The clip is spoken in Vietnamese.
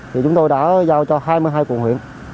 thì chúng tôi đã giao cho hai mươi hai quận huyện